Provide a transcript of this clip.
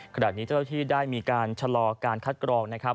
ขณะนี้เจ้าที่ได้มีการชะลอการคัดกรองนะครับ